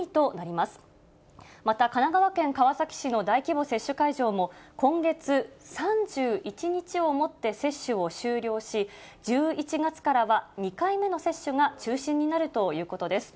また神奈川県川崎市の大規模接種会場も、今月３１日をもって接種を終了し、１１月からは２回目の接種が中心になるということです。